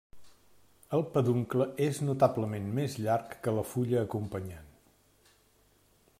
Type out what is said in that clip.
El peduncle és notablement més llarg que la fulla acompanyant.